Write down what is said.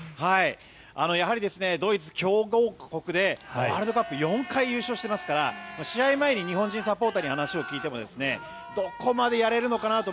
やはりドイツ、強豪国でワールドカップ４回優勝していますから試合前に日本人サポーターに話を聞いてもどこまでやれるのかなと。